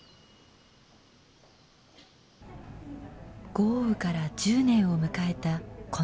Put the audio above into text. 豪雨から１０年を迎えたこの日。